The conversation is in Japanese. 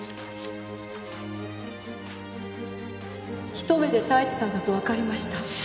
ひと目で太一さんだとわかりました。